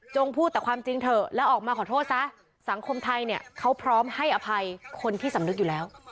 พูดแต่ความจริงเถอะแล้วออกมาขอโทษซะสังคมไทยเนี่ยเขาพร้อมให้อภัยคนที่สำนึกอยู่แล้ว